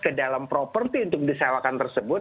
ke dalam properti untuk disewakan tersebut